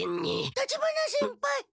立花先輩！